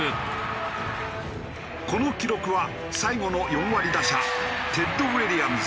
この記録は最後の４割打者テッド・ウィリアムズ